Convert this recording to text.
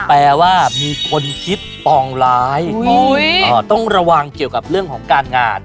แปลว่ามีคนคิดปองร้ายต้องระวังเกี่ยวกับเรื่องของการงาน